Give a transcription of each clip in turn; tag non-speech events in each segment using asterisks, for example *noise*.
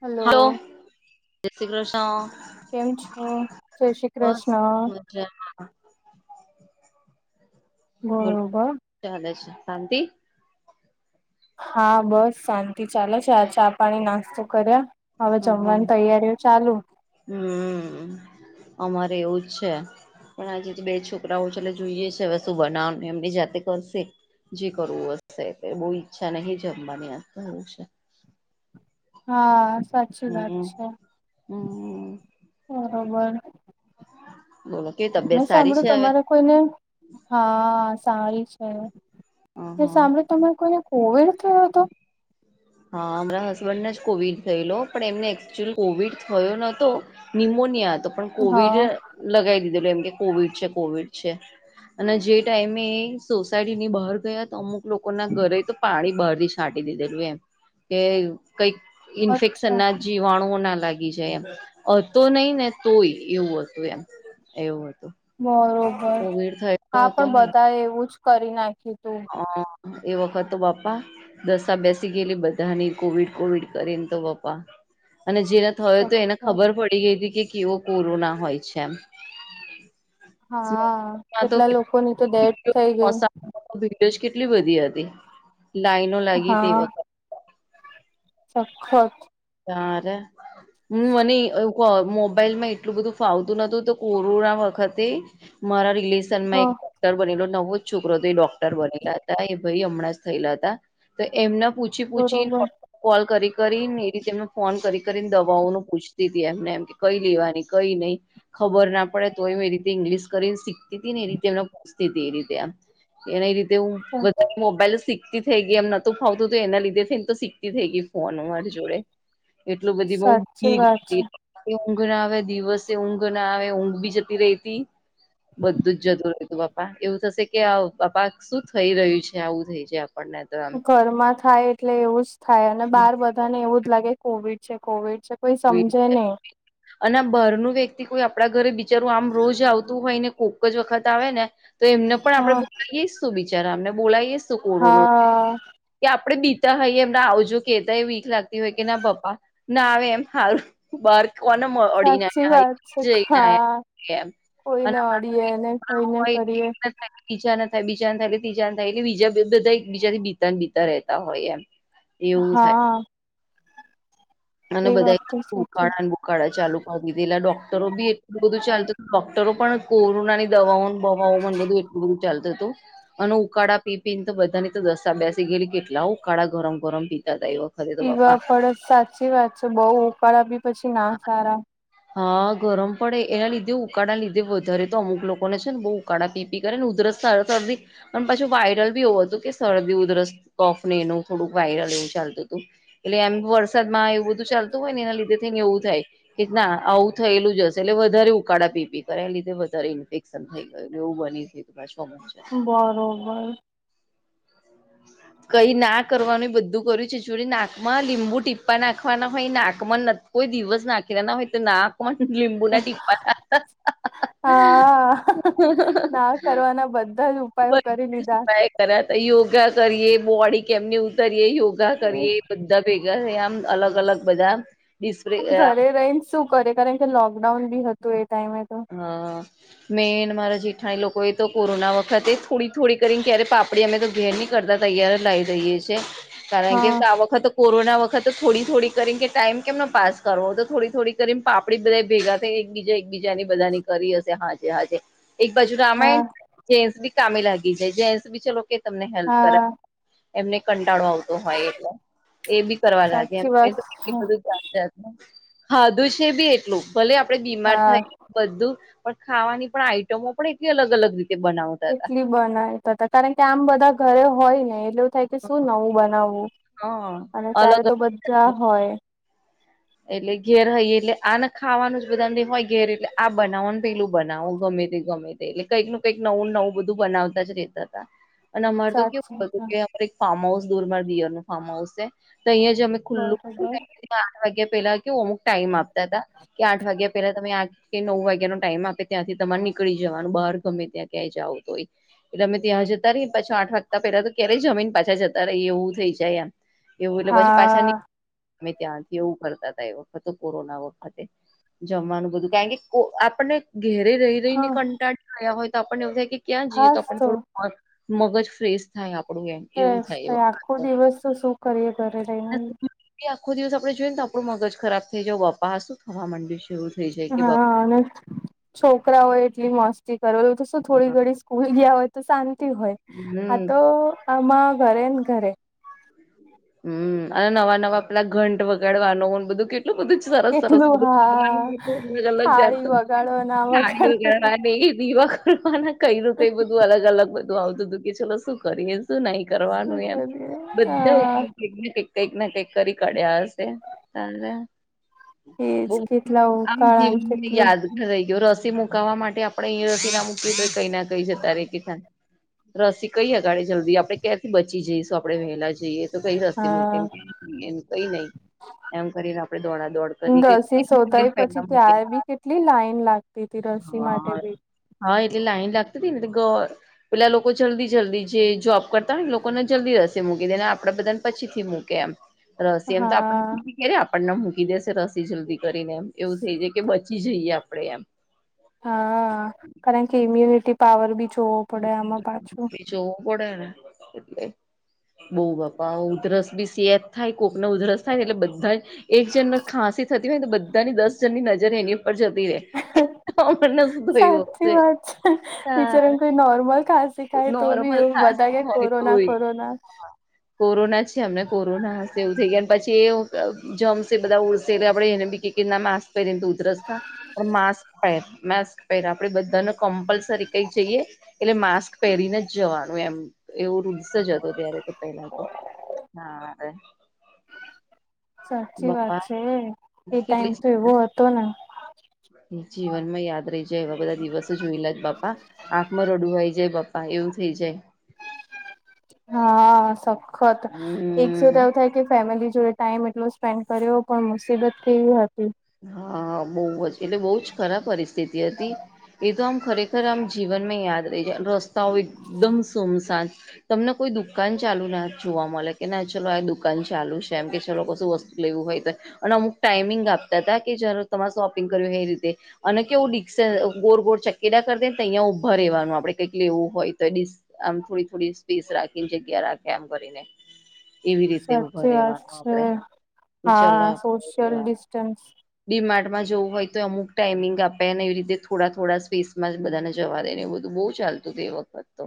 Hello જય શ્રી કૃષ્ણ કેમ છો? જય શ્રી બસ કૃષ્ણ. *unintelligible* બરોબર. ચાલે છે શાંતિ. હા બસ શાંતિ ચાલે છે આ ચા પાણી નાસ્તો કર્યા. હવે જમવાની તૈયારીઓ ચાલુ. હમ્મ અમારે એવુંજ છે. પણ આજે બે છોકરાઓ છે એટલે જોઈએ છે હવે શું બનાવનું એમની જાતે કરશે. જે કરવું હશે તે બહુ ઈચ્છા નહીં જમવાની આજતો એવું છે. હા સાચી વાત હમ છે હમ બરોબર. બોલો કેવી તબિયત મેં સારી સાંભળ્યું છે હવે તમારે કોઈને હા સારી છે હ એ હ સાંભળ્યું તમારે કોઈને કોવિડ થયો હતો. હા અમારાં હસબન્ડને જ કોવિડ થયેલો પણ એમને એકચુલ કોવિડ થયો નતો નિમોનિયા તો પણ કોવિડ હા લગાવી દીધેલ એમ કે કોવિડ છે કોવિડ છે. અને જે ટાઈમે એ સોસાયટી ની બહાર ગયા તો અમુક લોકો ના ઘરે તો પાણી બહારથી છાંટી દીધેલું એમ. કે કઈક ઇન્ફેક્શન અચ્છા ના જ જીવાણુઓ ના લાગી જાય એમ હતો નહી ને તોય એવું હતું એ એવું હતું. બરોબર કોવિડ થયેલો હા હતો પણ બધા એવું જ કરી નાખ્યું તું. હ એ વખત તો બાપા. દસાા બેસી ગયેલી બધાની કોવિડ કોવિડ કરીને તો પપ્પા અને જે થયો તો એને સખત ખબર પડી ગઈ હતી કે કેવો કોરોના હોય છે એમ. હા *unintelligible* *unintelligible* મા તો *unintelligible* કેટલા લોકોની તો ડેથ થઈ ગઈ *unintelligible* ભીડજ કેટલી બધી હતી લાઈનો લાગી તે હા વખતે. સખત. તારે. હું મને મોબાઈલ માં એટલું બધું ફાવતું નતું તો કોરોના વખતે. મારા રિલેશન હ માં એક વાર. ટર બનેલો નવો છોકરો તો એ ડોક્ટર બનેલા હતા એ ભાઈ હમણાં જ થયેલા હતા તો એમના પુ પૂછી પૂછી બરોબર કોલ કરી કરીને. કે જેમને ફોન કરી કરીને દવાઓ ન પૂછતી હતીતી એમને એમ કે કઈ લેવાની કઈ નહી. ખબર ના પડે તો એમ એ રીતે ઇંગ્લિશ કરીને શીખતી હતી ને એ રીતે એમને પૂછતી હતી એ રીતે એમ. એના રીતે હું સાચી વધારે. મોબાઈલ શીખતી થઈ ગઈ એમહોત ફાવતું એના લીધે થઈ એને તો શીખતી થઈ ગઈ ફોન અમારી જોડે. એટલું બધી બઉ સાચી વાત કીટ. ઊંઘ ના આવે દિવસે ઊંઘ ના આવે ઊંઘ બી જતી રહી હતી. બધું જ જતું રહતું બાપા એવું થશે કે બાપા શું થઈ રહ્યું છે આવું થઈ જાય આપણને તો એમ ઘરમાં થાય એટલે એવું જ થાય અને બાર બધાને એવું જ લાગે કોવિડ છે કોવિડ છે. કોઈ સમજે *unintelligible* નહી અને બહારનું વ્યક્તિ કોઈ આપડા ઘરે બિચારું આમ રોજ આવતું હોય ને કોક જ વખત આવે ને. તો એમને પણ આપડણે હા બોલાવીએ શું બિચારા અમને બોલાવીયું કોરોનો હા કે આપડે બીતા હોઈએ એમને આવજો કેતાય વીક લાગતી હોય કે ના પપા ના આવે એમ. હાલ બાર કોને સાચી અડીને્યા વાત છે જઈને આવ હા એમ. કોઈને અડીએ ને કોઈને કરીએ. બીજા ના થાય બીજાને થાય એલે તીજા થાય એટલે બીજાધા એક બીજાથી બીતા બીતા રહેતા હોય એમ. *inaudible* થાય હા. અને એ બધા વાત સાચી. ઉકાળા ચાલુ કરી દીધી એલા ડોક્ટરો બી એટલું બધું ચાલતું હતું ડોક્ટરો પણ કોરોનાની દવાઓ. પવન બવન બધું એટલું બધું ચાલતું હતું. અને ઉકાળા પી પી ને તો બધાને તો દસા બેસી ગયેલી કેટલા ઉકાળા ગરમ ગરમ પીતા હતા એ લોક. પીવા પડે સાચી વાત છે બઉ ઉકાળા પી પછી ના સારા. હા ગરમ પડે એના લીધે ઉકાળા ના લીધે વધારે તો અમુક લોકોને છે ને બહુ. ઉકાળા પી પી કર ને ઉદરસ સ સરદી. પણ પાછું વાયરલ બી એવું હતું કે સરદી ઉધરસ કોફને એનું થોડુંક વાયરલ એવું ચાલતું તું. એટલે એમ વરસાદમાં એવું બધું ચાલતું હોય ને એના લીધે થઈ ને એવું થાય. કે ના આવું થયેલું જ હશે એટલે વધારે ઉકાળા પીપી કરે એ લીધે વધારે ઇન્ફેક્શન થઈ ગયું. એવું બની સે. સમય બરોબર. કઈ ના કરવાનું એ બધું કર્યું છે જોડી નાકમાં લીંબુ ટીપ્પા નાખવાના હોય નાક. મ નક કોઈ દિવસ નાંખેલા ના હોય તો નાકમાં લીંબુ ના ટીપ્પા. હા ના કરવાના બધા જ ઉપાયો કરી લીધા. ટ્રાય કર્યા તા યોગા કરીએ બોડી કેમની કરીએ યોગા એ કરીએ બધા ભેગા આમ અલગ અલગ બધા. ડિસ્પ્લે પણ ઘરે રહીને શું કરે કારણ કે લોકડાઉન બી હતું એ ટાઈમે તો. હા મેન મારા જેઠાણી લોકો એ તો કોરોના વખતે થોડી થોડી કરીને ક્યારે પાપ. અમે તો ઘેર ની કરતા તૈયાર લા‌ઇ દ‌ઇએ છે. કારણ કે હા આ વખત કોરોના વખત થોડી થોડી કરીને કે ટાઈમ કેમનો પાસ. કરવો તો થોડી થોડી કરી પાપડી બધા ભેગા થાય એકબીજાં એકબીજાં ત્યાની બધાની કરી હશે હાજે હાજે એક બાજુ હા રામાયણ જેન્ટસ બી કામે લાગી જાય જેન્ટસ બી ચલો કે તમને હેલ્પ હા કરાવ. એમને કંટાળો આવતો હોય એટલે એ બી કરવા લાગે સાચી વાત એ. ખાધું છે બી એટલું ભલે આપડે બીમાર હા થાય. બધું પણ ખાવાની પણ આઈટમો પણ એટલી અલગ અલગ રીતે બનાવ. ઈટલી બનાવીતા હતા કારણ કે આમ બધા ઘરે હોય ને. એવું થાય કે શું નવું બનાવવું હા. અને ત્યારે અલગ તો અલગ બધા હોય. એટલે ઘેર હઈ એટલે આને ખાવાનું જ બધા ન હોય ઘેર એટલે આ બનાવવાનું પેલું બનાવો ગમે તે ગમે તે. એટલે કંઈક ન કંઈક નવું નવું બધું બનાવતા જ રેતા તા. અને અમાર તો સાચી કેવું હતું કે અ એક ફાર્મ હાઉસ દુરમા દિયર નું ફાર્મ હાઉસ છે તો અહીં જ અમે. ખુલ્લું બરોબર. આઠ વાગ્યા પેલા કેવું અમુક ટાઈમ આપતા હતા કે આઠ વાગ્યા પેલા તમે આ કે નવ વાગ્યાનો ટાઈમ આપે ત્યાંથી તમારે નીકળી જવાનું બહાર ગમે ત્યાં ક્યાં જાવું તોય. એટલે અમે ત્યાં જતા રહીએ પાછા આઠ વાગતા પેલા તો ક્યારેય જમીન પાછા જતા રહીએ એવું થઈ જાય આમ. એવું એટલે પછી પાછા હા અમે ત્યાંથી એવું કરતા ત એ વખતે કોરોના વખતે. જમવાનું બધું કાકે કો આપણને ઘેરે રહી. ર‌ઇને હા કંટાળ થયા હોય તો આપણને એવું થાય કે ક્યાં જઈએ તો આપ થોડું મગજ ફેશ. થાય આપડું એમ. એવું બસ થાય એ તયા વખત આખો દિવસ તો શું કરીએ ઘરે રઈને. એ આખો દિવસ આપડે જોઈએ ને આપણું મગજ ખરાબ થઈ જવો બપ્પા શું થવા માંડ્યું છે એવું. થઈ જાય કે હા અને છોકરાઓ એટલી મસ્તી કરલ. તો શું થોડી બાપા ઘડી સ્કૂલ ગયા હોય તો શાંતિ હોય આ હમ તો. આમા ઘરે ને ઘરે. હમ અને નવા નવા પેલા ઘંટ વગાડવાનું બધું કેટલું બધું. સરસ સરસ કેટલું બધુંજ હા અલગ અલગ જાત થાળી વગાડો ના *inaudible* સાાડી વગે વગાડો અને દિવક ને કઈ નું કઈ બધું અલગ અલગ બધું આવતું હતું કે ચલો શું કરીએ શું નહી શું કરવાનું એમ કરીએ બધા. હા ક‌ઇ ન કક કઈક ને કઈક કરી કડ્યા હશે ત્યારે. બ એજ કેટલા આમ ઉકાળાને જીવનને કેટલું યાદ રહી ગયો રસી મુકવા માટે આપડણે અહી રસી ના મુૂકી તો કઈ ના કઈ છે ત્યારે કે રસી કઈ અગાે જલ્દી આપડણે ક્યંથી બચી જઈશું આપડે વહેલા જઈએ એ તોું કઈ સસ્તી મૂકે ને હા કઈ નઈ એમ કરીને આપણે દોડા દોડ કરી રસી કે શોધાઈ પેલા મકે તેથી રસી માટે બી હા એટલે લાઈન લાગતી હતી ને એટલે ગ પેલા લોકો જલ્દી જલ્દી જે જોબ કરતા હો ને એ લોકોને જલ્દી રસે મૂકી દે ને આપડે બધાને પછી થી મૂકે એમ રસી એમ તો આપ હા અરે આપણને મૂકી દેશે રસી જલ્દી કરીને એમ એવું થઈ જાય કે બચી જઈએ આપડે એમ હા કારણ કે ઇમ્યુનિટી પાવર બી છો ચોડ એટલે બહુ બાપા ઉધરસ બી સત થાય કોક ના ઉધરસ થાય ને એટલે બધા એક જન ખાંસી થતી હોય ને તો બધાની દસ જનની નજર એની ઉપર જતી હોય અણને શધોયું છે ટીચર નોર્મલ ખાાસખાય તો બી નોર્મલ એવ બધા ખાંસી કે હોય કોરોના તોય કોરોના કોરોના છે અમને કોરોના હશે એવું થઈ ગયા પછી એ જમશે બધા ઉડશે એટલે આપડે એને બી કે ના માસ્ક પ્ય તો ઉતરસતા પણ માસ્ક પહેર માસ્ક પહેર આપણે બધાને કમ્પલસરી કઈ જઈએ એટલે માસ્ક પહેરીને જ જવાનું એમ એવો રૂલ્સ જ હતો ત્યારે તો પેલા તો હા હ સાચી વાત બાપા છે એ ટાઈમ કેટલી તો એવો હતો ને. જીવન માં યાદ રહી જાય એવા બધા દિવસો જોયલા જ બાપા આંખમાં રડું હોઈ જાય પપ્પા એવું થઇ જાય હા સખત એક જો તો હમ એવું થાય કે ફેમિલી જોડે ટાઈમ એટલો સ્પેન્ડ કર્યો પણ મુસીબત હતી હા બહ એટલે બહુ જ ખરાબ પરિસ્થિતિ હતી એ તો આમ ખરેખર આમ જીવનમાં યાદ રસ્તાઓ એકદમ સોમસાન તમને કોઈ દુકાન ચાલુ ના જોવા મળે કે ના ચાલલો આ દુકાન ચાલુ છે એમ કે ચલો કશું વસ્તુ લેવું હોય તો અને અમુક ટાઈમિંગ આપતા હતા કે જયારે તમારે શોપિંગ કર્યું એ રીતે અને કેવુંિકસ ગોર ગોર ચકેડા કર દને અહીંયા ઉઊભા રહેવાનું આપડે કંઈક લેવું હોય તો એ આમ થોડી થોડી સ્પેસ રાખીને જગ્યા રાખે આમ કરીને. એવી રીતે ઊભા સાચી વાત રહેવાનું છે આપડે ચલો હા સોશિયલ લેવા ડિસ્ટન્સ. ડીમાર્ટમાં જવું હોય તો અમુક ટાઈમિંગ આપે ને એવી રીતે થોડા થોડા સ્પેસમાં બધાને જવા દે એ બધું બહુ. ચાલતું તે એ વખત તો.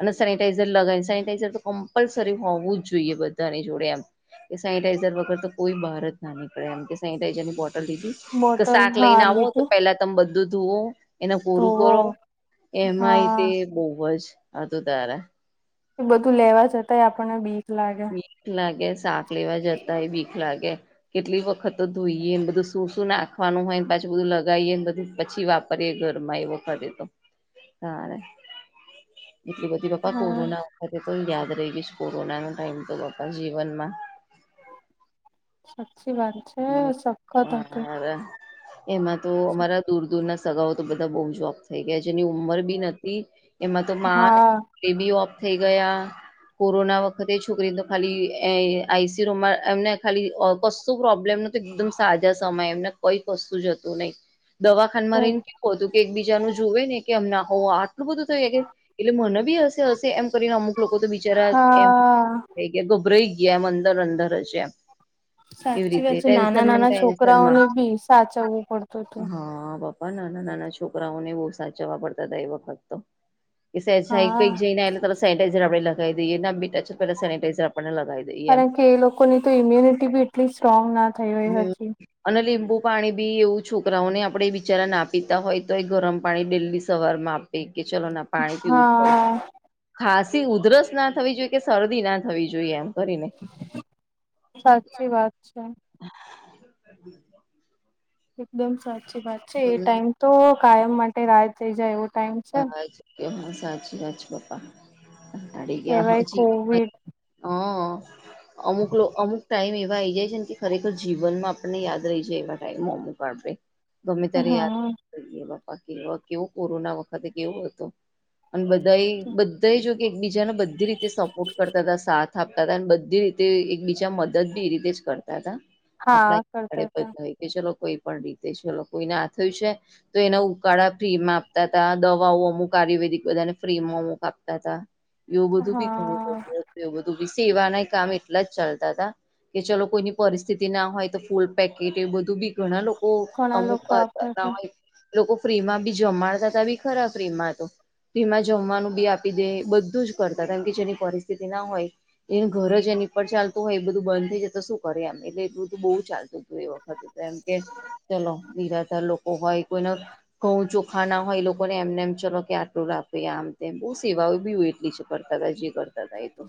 અને સેનિટાઈઝર લગાવ સેનિટાઈઝર તો કમ્પલસરી હોવું જ જોઈએ બધાની જોડે એમ. કે સેનિટાાઈઝર વગર તો કોઈ બહાર જ ના નીકળે એમ કે. સેટાઈઝર ની બોટલ લીધી કે બોટલ શાક હા લઈને આવો તો લીધું પેલા તમે બધું ધોવો. એના પૂરું ધોવો કરો એમાં હા એતે બહુ જ હતું તારા. એ બધું લેવા જતાંય આપણને બીક લાગે. લાગે શાક લેવા જતાય ભીખ લાગે. કેટલી વખત ધોઈએ ને બધું શું શું નાખવાનું હોય ને પાછું બધું લગાવીએ ને બધું પછી વા. ઘરમાં એવો કર તો હા એટલી બધી. કે પપ્પા હા કોરોના વખતે તો યાદ રહી ગઈશ કોરોનાનો ટાઈમ તો પપ્પા જીવનમાં. સાચી વાત છે હમ. સખત હતું. હા એમાં તો અમારા દૂર દૂર ના સગાઓ તો બધા બહુ જોબ થઈ ગયા જેની ઉંમર બી નથી. એમાં તો હા બી ઓફ થઈ ગયા. કોરોના વખતે છોકરી તો ખાલી આઈસીમાં એમને ખાલી. કશું પ્રોબ્લેમ નો એકદમ સાજા સમય એમને કઈ કશું જતું નહીિ. દવાખાાનમાં રહીને કેવું હતું કે એકબીજાનું જોુવે ને કે હમ હો આ. એટલું બધું થઈ એટલે મને બી હશે હશે એમ કરીને અમુક લોકો તો બિચારા એમ. હા થઈ ગયા ગભરાઈ ગયા એમ અંદર અંદર હ છે એમ. એવી સાચી વાત રીતે છે નાના ટેન્ન નાના ન્નમાં છોકરાઓને બી સાચવવું પડતું હતું હા પપપા. પણ નાના નાના છોકરાઓને બહુ સાચવવા પડતા હતા એ વખત તો. કે હા કઈ જઈને એલે તો સેનેટાઈઝર આપણે લગાવી દઈએ નાંી ટચ પેલા સેિટાઈઝર આપડને લગાવ દઈએ. એમ કારણ કે એ લોકોની તો ઇમ્યુનિટી બી એટલી સ્ટ્રોંગ ના થઈ હોય હમ હજી. અને લીંબુ પાણી બી એવું છોકરાઓને આપણે બિચારા ના પીતા હોય તો એ ગરમ પાણી ડેલી સવારમાં આપ. પ ચલો ના પાણી પીવું પડ. હા ખાંસી ઉધરસ ના થવી જોઈએ કે શરદી ના થવી જોઈએ એમ કરીને. સાચી વાત છે. *inaudible* એકદમ સાચી વાત છે એ હમ ટાઈમ તો કાયમ માટે રાહ થઈ જાય એવો ટાઈમ. છે. હ કે હ સાચી વાત પપ્પા તા ગયા હ. કેવાય કોવિડ હ. અમુક અમુક ટાઈમ એવા આઈ જાય છે ને કે ખરેખર જીવનમાં આપણને યાદ રહી જાય એવા ટાઈમો અમુક. બાળ. ગમે ત્યારે યાદ હમ જોઈએ બાપા કે કેવું કોરોના વખતે કેવું હતું. અને બધા બધા જો કે એકબીજાને બધી રીતે સપોર્ટ કરતા હતા સાત. થાપતા હતા અને બધી રીતે એક બીજા મદદ બી એ રીતે જ કરતા હતા હા આપણાડે કરતા હતા. કે ચલો કોઈ પણ રીતે ચલો કોઈને હા થયું છે તો એના ઉકાળા ફ્રીમાં આપતા દવાઓ અમુક આયુર્વેદિક બધાને ફ્રી માં અમુક આપતા હતા. એવું બધું બી ઘણું હા એું બધું બી સેવાના કામ એટલા જ ચાલતા હતાા. કે ચલો કોઈની પરિસ્થિતિ ના હોય તો ફૂલ પેકેટ એ બધું બી. ઘણા લોકો ઘણા અમુક લોકો આપતા હતા હોય લોકો ફ્રી માં બી જમાડતા. ત બી ખરા પ્ર ર એમાં તો. વીમાં જમવાનું બી આપી દે બધું જ કરતા કેમ કે જેની પરિસ્થિતિ ના હોય. એ ઘર જ એની પર ચાલતું હોય એ બધું બંધ થઈ જ તો શું કરે એમ એટલે એટલુંધું બહુ ચાલતું હતું એ વખતે. એમ કે ચલો બિરાધર લોકો હોય કોઈને ઘઉં ચોખાના. હ એ લોકોને એમને એમ ચલો કે આટલું રાખે આમ તેમ બહુ સેવાઓ બી હોય એટલી છે કરતા હતાા જે કરતા હતા એ તો.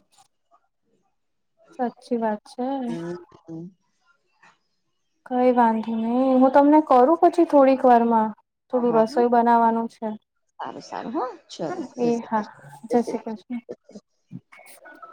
સાચી વાત. છે. હમ હમ. કઈ વાંધી નહી હું તમને કરું પછી થોડીક વારમાં. હ થોડું હા રસોઈ બનાવાનું છે સારું સારું હા ચાલો જ એ હા કર જય શ્રી જ કૃષ્ણ. *inaudible*